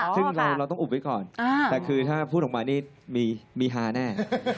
ซึ่งเราต้องอุบไว้ก่อนแต่คือถ้าพูดออกมานี่มีฮาแน่